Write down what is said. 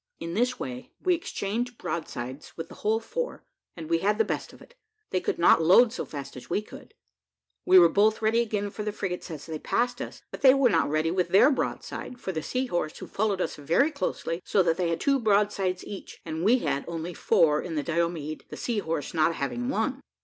In this way we exchanged broadsides with the whole four, and we had the best of it, they could not load so fast as we could. We were both ready again for the frigates as they passed us, but they were not ready with their broadside, for the Sea horse, who followed us very closely, so that they had two broadsides each, and we had only four in the Diomede, the Sea horse not having one.